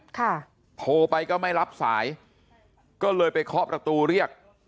ค่ะโทรไปก็ไม่รับสายก็เลยไปเคาะประตูเรียก